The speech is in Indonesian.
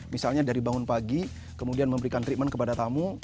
misalnya dari bangun pagi kemudian memberikan treatment kepada tamu